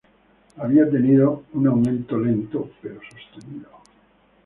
Había tenido un aumento lento, pero sostenido.